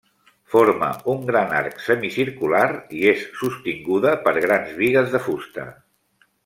Forma un gran arc semicircular, i és sostinguda per grans bigues de fusta.